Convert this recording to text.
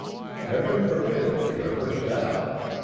Heaven forbid that you ever shall!